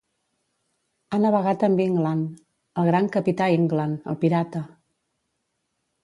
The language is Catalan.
Ha navegat amb England, el gran Capità England, el pirata.